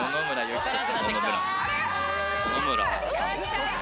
野々村さんですかね。